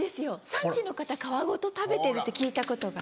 産地の方皮ごと食べてるって聞いたことが。